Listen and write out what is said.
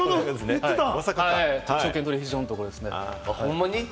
大阪証券取引所のところですね。